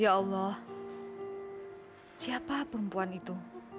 ya allah siapa perempuan itu